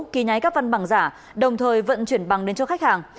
ký nháy các văn bằng giả đồng thời vận chuyển bằng đến cho khách hàng